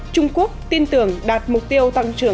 trung quốc tin tưởng đạt mục tiêu